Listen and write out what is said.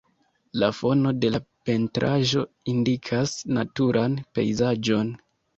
La fono de la pentraĵo indikas naturan pejzaĝon.